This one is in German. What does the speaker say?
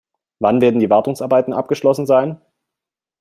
Wann werden die Wartungsarbeiten abgeschlossen sein?